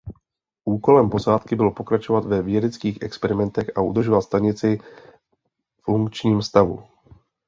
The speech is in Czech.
Úkolem posádky bylo pokračovat ve vědeckých experimentech a udržovat stanici v funkčním stavu.